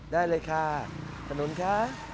ได้เลยค่ะขนุนค่ะ